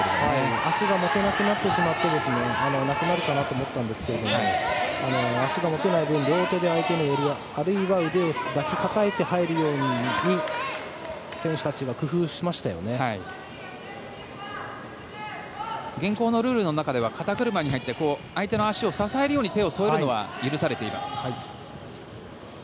足が持てなくなってしまってなくなるかなと思ったんですが足が持てない分、両手で相手の襟あるいは腕を抱きかかえて入るように現行のルールの中では肩車に入って相手の足を支えるように手を添えるのは許されています。